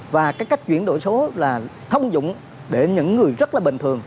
và cái cách chuyển đổi số là thông dụng để những người rất là bình thường